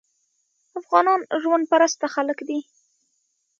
افغانان ژوند پرسته خلک دي.